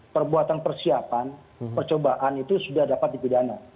perbuatan persiapan percobaan itu sudah dapat dipidana